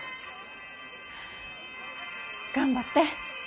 頑張って。